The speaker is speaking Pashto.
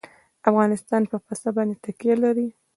افغانستان په پسه باندې تکیه لري.